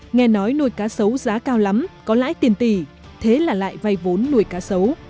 nghe nói nuôi cá sấu giá cao lắm có lãi tiền tỷ thế là lại vay vốn nuôi cá sấu